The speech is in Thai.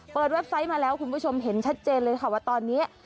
เว็บไซต์มาแล้วคุณผู้ชมเห็นชัดเจนเลยค่ะว่าตอนนี้